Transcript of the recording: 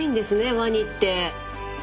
ワニって。